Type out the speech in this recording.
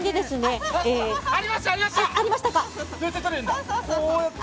ありました！